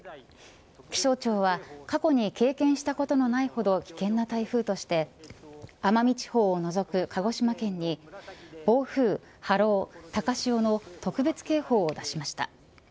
気象庁は過去に経験したことがないほど危険な台風として奄美地方を除く鹿児島県に暴風・波浪・高潮の特別警報を出しました。